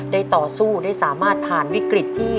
ต่อสู้ได้สามารถผ่านวิกฤตที่